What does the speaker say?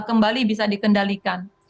kembali bisa dikendalikan